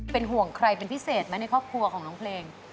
เป็นห่วงใครเป็นพิเศษไหมในครอบครัวของน้องเพลง